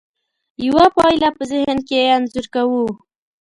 یوه پایله په ذهن کې انځور کوو.